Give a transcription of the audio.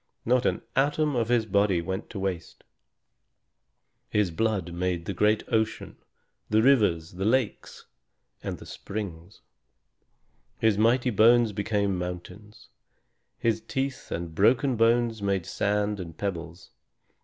Not an atom of his body went to waste. His blood made the great ocean, the rivers, lakes, and springs. His mighty bones became mountains. His teeth and broken bones made sand and pebbles.